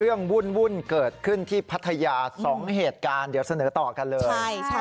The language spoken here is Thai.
วุ่นเกิดขึ้นที่พัทยา๒เหตุการณ์เดี๋ยวเสนอต่อกันเลย